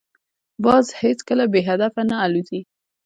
باز هیڅکله بې هدفه نه الوزي